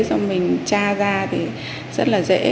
do mình tra ra thì rất là dễ